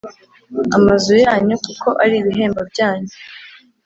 amazu yanyu kuko ari ibihembo byanyu